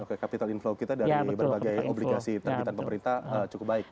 oke capital inflow kita dari berbagai obligasi terbitan pemerintah cukup baik